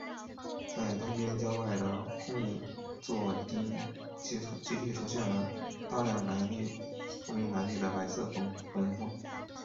在东边郊外的空座町集体出现大量不明来历的白色魂魄。